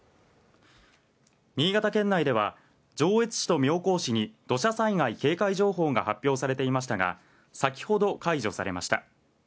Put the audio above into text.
新潟県内では上越市と妙高市に土砂災害警戒情報が発表されていましたが、先ほど解除されました。